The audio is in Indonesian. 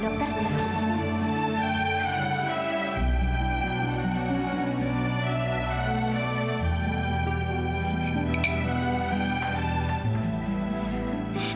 nah makanan spesialnya udah jadi nih